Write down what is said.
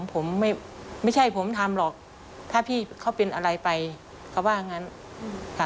ผมไม่ใช่ผมทำหรอกถ้าพี่เขาเป็นอะไรไปเขาว่างั้นค่ะ